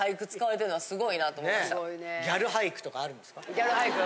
ギャル俳句。